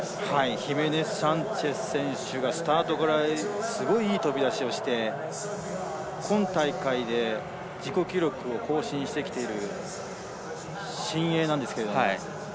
ヒメネスサンチェス選手がスタートからすごいいい飛び出しをして今大会で、自己記録を更新してきている新鋭なんですけれども。